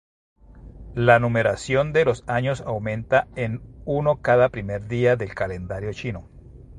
La numeración de los años aumenta en uno cada primer día del calendario chino.